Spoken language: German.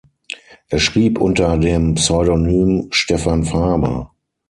Er schrieb unter dem Pseudonym Stefan Faber.